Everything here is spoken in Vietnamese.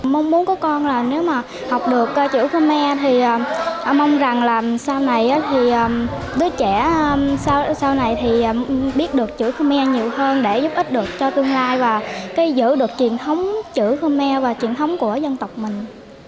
mong muốn của con là nếu mà học được chữ khmer thì mong rằng là sau này thì đứa trẻ sau này thì biết được chữ khmer nhiều hơn để giúp ích được cho tương lai và giữ được truyền thống chữ khmer và truyền thống của dân tộc mình